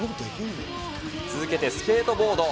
続けてスケートボード。